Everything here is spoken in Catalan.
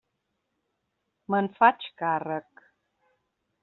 Me'n faig càrrec.